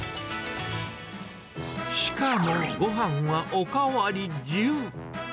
しかもごはんはお代わり自由。